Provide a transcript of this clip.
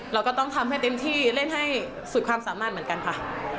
เราก็ต้องทำให้เต็มที่เล่นให้สุดความสามารถเหมือนกันค่ะ